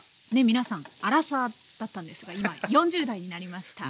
皆さんアラサーだったんですが今や４０代になりました。